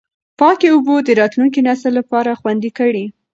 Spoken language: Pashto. پاکې اوبه د راتلونکي نسل لپاره خوندي کړئ.